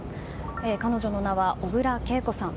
彼女の名は小倉桂子さん。